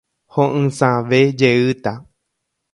Ho'ysãvejeýta.